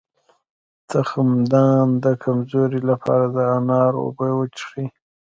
د تخمدان د کمزوری لپاره د انار اوبه وڅښئ